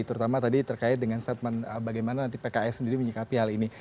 terutama tadi terkait dengan statement bagaimana nanti pks sendiri menyikapi hal ini